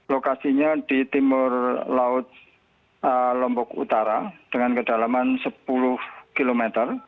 lokasinya di timur laut lombok utara dengan kedalaman sepuluh km